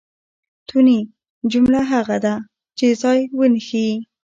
توني؛ جمله هغه ده، چي ځای وښیي.